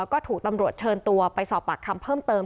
ก็ถูกตำรวจเชิญตัวไปสอบปากคำเพิ่มเติม